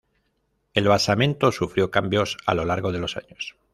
El basamento sufrió cambios a lo largo de los años.